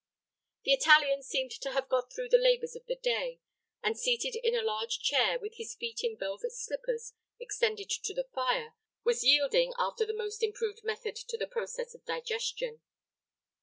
The Italian seemed to have got through the labors of the day, and seated in a large chair, with his feet in velvet slippers, extended to the fire, was yielding after the most improved method to the process of digestion.